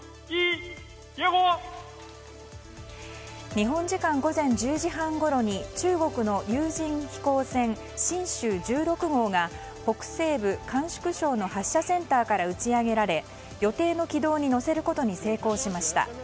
日本時間午前１０時半ごろに中国の有人飛行船「神舟１６号」が北西部甘粛省の発射センターから打ち上げられ予定の軌道に乗せることに成功しました。